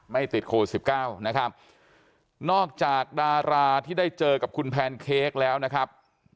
ติดโควิดสิบเก้านะครับนอกจากดาราที่ได้เจอกับคุณแพนเค้กแล้วนะครับ